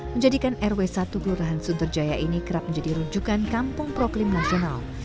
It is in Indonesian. menjadikan rw satu gelurahan suntur jaya ini kerap menjadi rujukan kampung proklim nasional